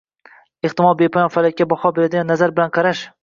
Ehtimol, bepoyon Falakka baho beradigan nazar bilan qarash